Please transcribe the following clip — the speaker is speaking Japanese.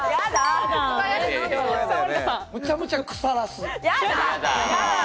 むちゃむちゃ腐らす。